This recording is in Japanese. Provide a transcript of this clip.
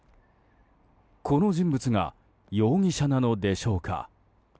この人物が容疑者なのでしょうか。